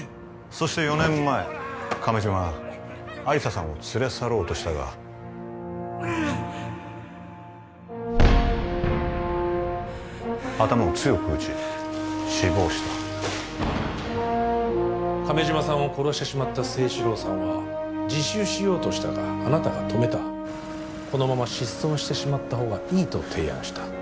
そして４年前亀島は亜理紗さんを連れ去ろうとしたが頭を強く打ち死亡した亀島さんを殺してしまった征四郎さんは自首しようとしたがあなたが止めたこのまま失踪してしまったほうがいいと提案した